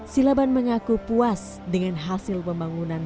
silaban mengaku puas dengan hasil pembangunan